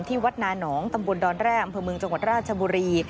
วัดนานองตำบลดอนแร่อำเภอเมืองจังหวัดราชบุรี